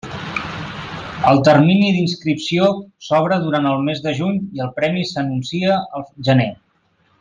El termini d'inscripció s'obre durant el mes de juny i el premi s'anuncia al gener.